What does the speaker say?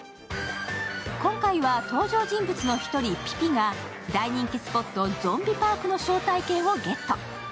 今回は登場人物の一人、ピピが大人気スポット、ゾンビパークの招待券をゲット。